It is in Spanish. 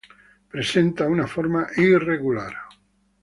Presenta una forma irregular.